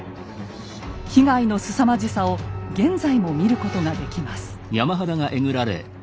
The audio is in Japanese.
被害のすさまじさを現在も見ることができます。